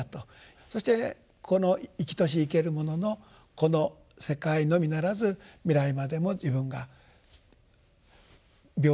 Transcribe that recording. そしてこの生きとし生けるもののこの世界のみならず未来までも自分が平等に見たい。